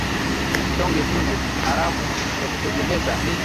vidonge vingi haramu vya kutegemeza ni